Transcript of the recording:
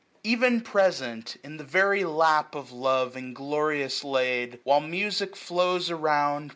Even present, in the very lap of love Inglorious laid ; while music flows around.